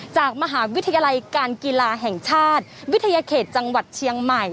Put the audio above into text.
จากมหาวิทยาลัยการกีฬาแห่งชาติวิทยาเขตจังหวัดเชียงใหม่